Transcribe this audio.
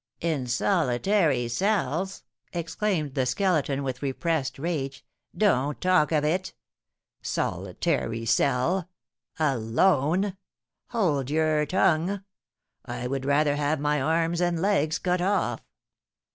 "In solitary cells!" exclaimed the Skeleton, with repressed rage; "don't talk of it! Solitary cell alone! Hold your tongue! I would rather have my arms and legs cut off!